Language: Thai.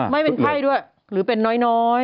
ไม่เป็นไข้ด้วยหรือเป็นน้อย